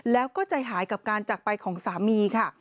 แล้วก็ใจหายกับการจักรไปของสามีค่ะ